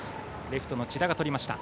レフトの千田がとりました。